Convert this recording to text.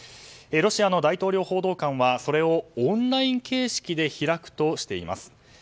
ロシアの大統領報道官はそれをオンライン形式で開くとしています。